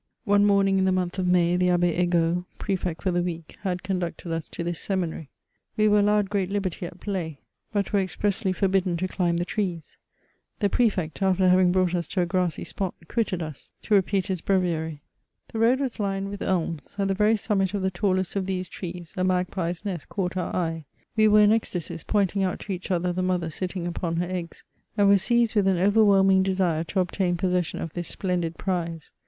One morning in the month of May, the Abb^ Egaultf. Pre fect for the week, had conducted us to this seminary. We were allowed great Uberty at play, but were expressly forbidden VOL. I. H 98 MEMOIRS OF to climb the trees. The Prefect, after haying brought iu to a grassy spot, quitted us, to repeat his breviary. The road was lined with elms ; at the very summit of the tallest of these trees, a magpie's nest caught our eye ; we were in ecstacies, pomting out to eadi other the mother sitting ivpGa her eggs, and were seised with an oyerwhelming desire to obtain possession of this splendid prise.